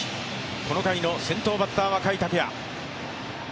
この回の先頭バッターは甲斐拓也。